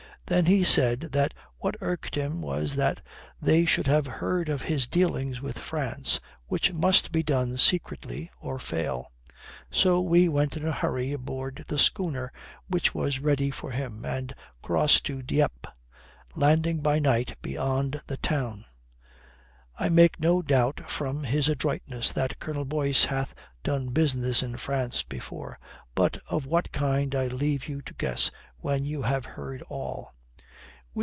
Then he said that what irked him was that they should have heard of his dealings with France, which must be done secretly or fail. So we went in a hurry aboard the schooner which was ready for him, and crossed to Dieppe, landing by night beyond the town. I make no doubt from his adroitness that Colonel Boyce hath done business in France before, but of what kind I leave you to guess when you have heard all.